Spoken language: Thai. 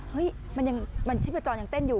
เฮ้ยมันชีพจรยังเต้นอยู่